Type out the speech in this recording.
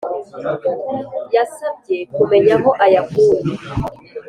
yasabye kumenya aho ayakuye.